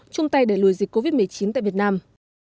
chung tay để lùi dịch covid một mươi chín tại việt nam